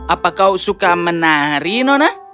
apa kau suka menari nonak